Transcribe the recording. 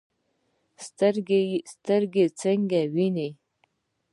سترګې څنګه ویني؟